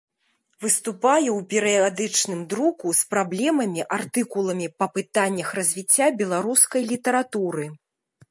Выступае ў перыядычным друку з праблемамі артыкуламі па пытаннях развіцця беларускай літаратуры.